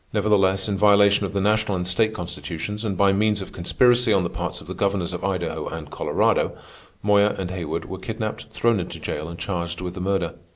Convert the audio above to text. Nevertheless, in violation of the national and state constitutions, and by means of conspiracy on the parts of the governors of Idaho and Colorado, Moyer and Haywood were kidnapped, thrown into jail, and charged with the murder.